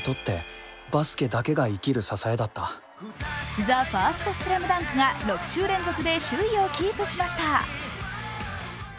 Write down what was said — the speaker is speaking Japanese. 「ＴＨＥＦＩＲＳＴＳＬＡＭＤＡＮＫ」が６週連続で首位をキープしました。